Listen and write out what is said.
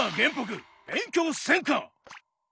勉強せんか！